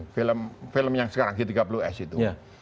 film film yang sekarang g tiga puluh s itu